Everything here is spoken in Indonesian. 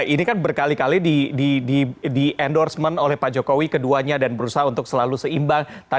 ini kan berkali kali di endorsement oleh pak jokowi keduanya dan berusaha untuk selalu seimbang